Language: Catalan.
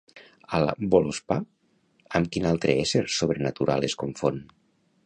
A la Vǫlospá, amb quin altre ésser sobrenatural es confon?